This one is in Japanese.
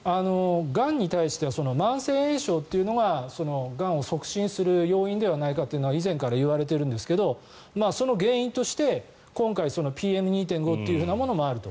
がんに対しては慢性炎症というのががんを促進する要因じゃないかというのは以前からいわれているんですがその原因として今回ＰＭ２．５というものもあると。